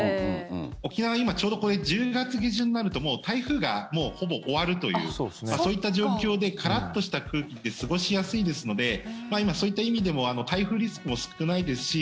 沖縄、今ちょうど１０月下旬になると台風がほぼ終わるというそういった状況でカラッとした空気で過ごしやすいですのでそういった意味でも台風リスクも少ないですし